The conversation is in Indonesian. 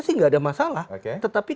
sih nggak ada masalah tetapi